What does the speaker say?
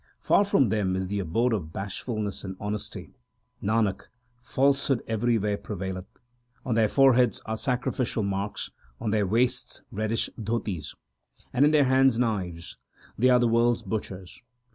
Far from them is the abode of bashfulness and honesty : Nanak, falsehood everywhere prevaileth. On their foreheads are sacrificial marks ; on their waists reddish 4 dhotis ; And in their hands knives ; they are the world s butchers.